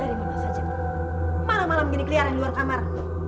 dari mana saja malam malam begini dikeliaran di luar kamar